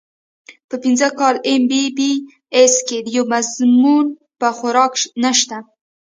پۀ پنځه کاله اېم بي بي اېس کښې يو مضمون پۀ خوراک نشته